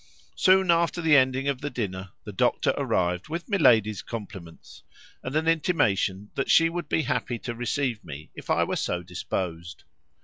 Soon after the ending of the dinner the doctor arrived with miladi's compliments, and an intimation that she would he happy to receive me if I were so disposed.